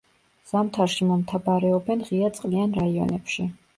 ზამთარში მომთაბარეობენ ღია წყლიან რაიონებში.